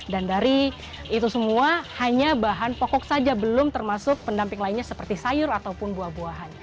dan dari itu semua hanya bahan pokok saja belum termasuk pendamping lainnya seperti sayur ataupun buah buahan